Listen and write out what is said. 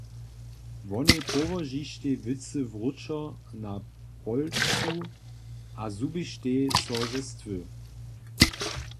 Wonej połožištej wěcy wróćo na polcu a zhubištej so ze stwy.